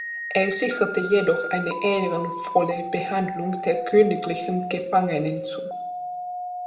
Er sicherte jedoch eine ehrenvolle Behandlung der königlichen Gefangenen zu.